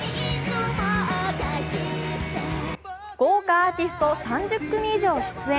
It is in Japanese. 豪華アーティスト３０組以上出演。